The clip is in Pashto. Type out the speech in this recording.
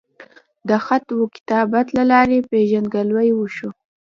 د خط وکتابت لۀ لارې پېژنګلو اوشوه